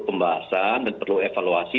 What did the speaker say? pembahasan dan perlu evaluasi